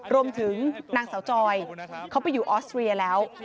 รวมถึงนางสาวจอยเขาไปอยู่ออสเตรียแล้ว